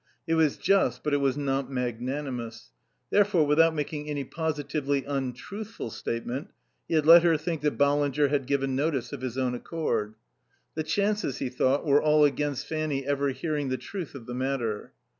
It was just, but it was not magnanimous. Therefore, without making any positively untruthful statement, he had let her think that Ballinger had given notice of his own accord. The chances, he thought, were all against Fanny ever hearing the truth of the matter.